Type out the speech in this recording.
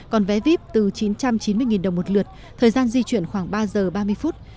còn vé vip từ chín trăm chín mươi đồng một lượt thời gian di chuyển khoảng ba giờ ba mươi phút